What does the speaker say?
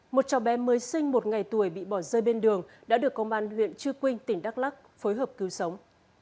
một cháu bé mới sinh một ngày tuổi bị bỏ rơi bên đường đã được công an huyện chư quynh tỉnh đắk lắc phối hợp cứu sống